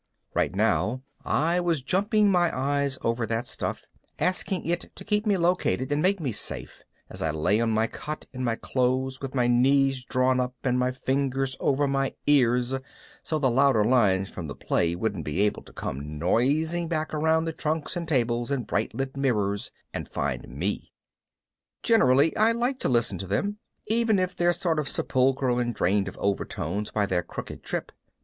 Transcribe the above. Right now I was jumping my eyes over that stuff, asking it to keep me located and make me safe, as I lay on my cot in my clothes with my knees drawn up and my fingers over my ears so the louder lines from the play wouldn't be able to come nosing back around the trunks and tables and bright lit mirrors and find me. Generally I like to listen to them, even if they're sort of sepulchral and drained of overtones by their crooked trip.